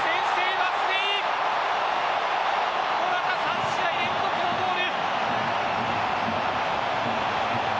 モラタ、３試合連続のゴール。